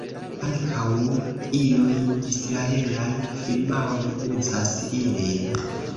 Ankaŭ iuj israelaj firmaoj uzas ilin.